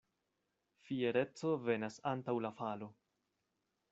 Fiereco venas antaŭ la falo.